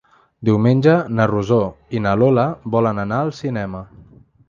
Diumenge na Rosó i na Lola volen anar al cinema.